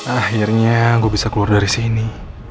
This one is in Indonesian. akhirnya gue bisa keluar dari sini